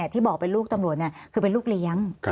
ที่บอกเป็นลูกตำรวจคือเป็นลูกเลี้ยง